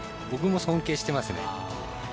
僕も尊敬していますね。